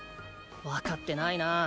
分かってないな